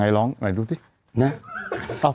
ฟังลูกครับ